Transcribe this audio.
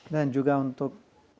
dan juga untuk